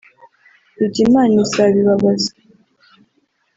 ibyo Imana izabibabaza